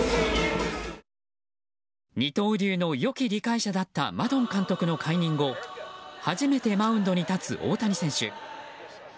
二刀流の良き理解者だったマドン監督の解任後初めてマウンドに立つ大谷選手。